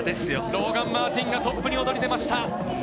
ローガン・マーティンがトップに躍り出ました。